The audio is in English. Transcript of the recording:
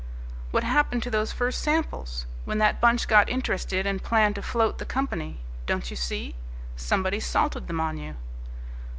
"What happened to those first samples? When that bunch got interested and planned to float the company? Don't you see? Somebody salted them on you."